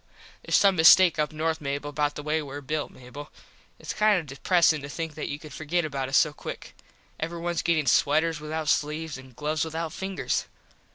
Theres some mistake up north Mable about the way were built, Mable. Its kind of depresin to think that you could forget about us so quick. Everyones gettin sweters without sleeves and gloves without fingers.